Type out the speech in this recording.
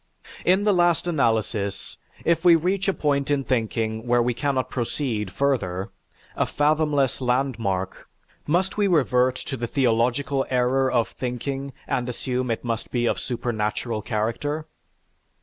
In the last analysis, if we reach a point in thinking where we cannot proceed further, a fathomless landmark, must we revert to the theological error of "thinking," and assume it must be of supernatural character?